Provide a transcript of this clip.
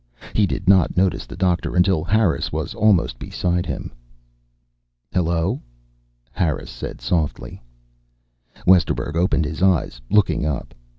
He did not notice the Doctor until Harris was almost beside him. "Hello," Harris said softly. Westerburg opened his eyes, looking up.